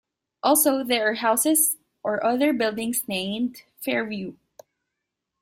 Also there are houses or other buildings named Fairview.